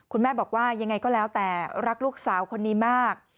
คุณแม่บอกว่ายังไงก็แล้วแต่รักลูกสาวคนนี้มาก